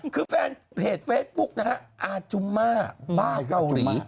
คือแฟนเพจเฟซบุ๊กนะฮะอาจุมม่าบ้าเกาหลี